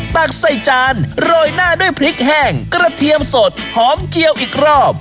ตักใส่จานโรยหน้าด้วยพริกแห้งกระเทียมสดหอมเจียวอีกรอบ